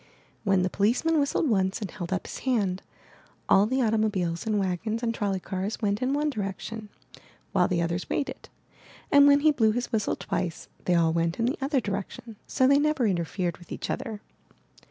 When the policeman whistled once and held up his hand, all the auto mobiles and wagons and trolley cars went in one direction, while the others waited, and when he blew his whistle twice, they all went in the other direction; so they never interfered with each other.